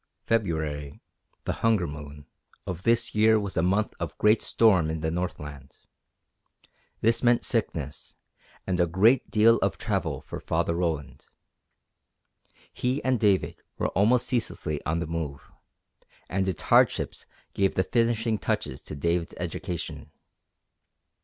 February the Hunger Moon of this year was a month of great storm in the Northland. This meant sickness, and a great deal of travel for Father Roland. He and David were almost ceaselessly on the move, and its hardships gave the finishing touches to David's education.